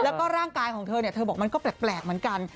แล้วก็ร่างกายของเธอมันก็แปลกเหมือนกัน